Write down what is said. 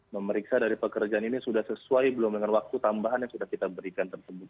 memeriksa dari pekerjaan ini sudah sesuai belum dengan waktu tambahan yang sudah kita berikan tersebut